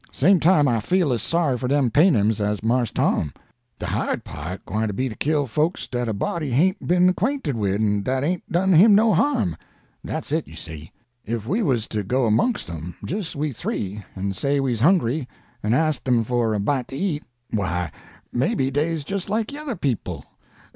Same time, I feel as sorry for dem paynims as Mars Tom. De hard part gwine to be to kill folks dat a body hain't been 'quainted wid and dat hain't done him no harm. Dat's it, you see. Ef we wuz to go 'mongst 'em, jist we three, en say we's hungry, en ast 'em for a bite to eat, why, maybe dey's jist like yuther people.